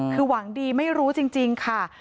คือหวังดีไม่รู้จริงค่ะ